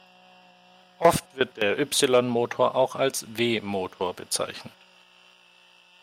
Oft wird der Y-Motor auch als W-Motor bezeichnet.